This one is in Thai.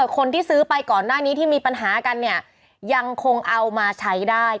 คนที่ซื้อไปก่อนหน้านี้ที่มีปัญหากันเนี่ยยังคงเอามาใช้ได้